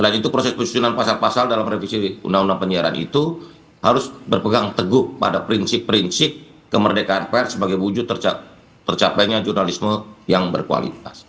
dan itu proses posisi pasal pasal dalam revisi undang undang penyiaran itu harus berpegang teguh pada prinsip prinsip kemerdekaan pes sebagai wujud tercapainya jurnalisme yang berkualitas